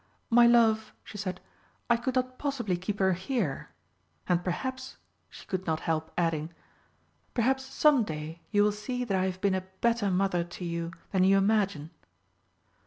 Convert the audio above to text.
"My love," she said, "I could not possibly keep her here. And perhaps," she could could not help adding, "perhaps some day you will see that I have been a better mother to you than you imagine!"